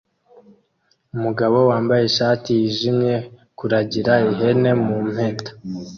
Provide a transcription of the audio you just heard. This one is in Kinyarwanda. umugabo wambaye ishati yijimye kuragira ihene mu mpeta